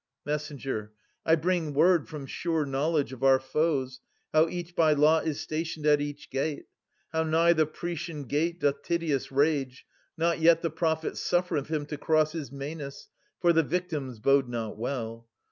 Messenger. I bring word, from sure knowledge, of our foes, How each by lot is stationed at each gate. Now nigh the Proetian gate doth Tydeus rage : Not yet the prophet suflfereth him to cross Ismenus, for the victims bode not well.